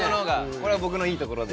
これは僕のいいところで。